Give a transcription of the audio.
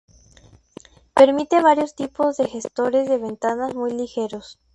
Permite varios tipos de gestores de ventanas muy ligeros.